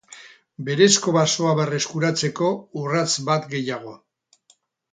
Berezko basoa berreskuratzeko urrats bat gehiago.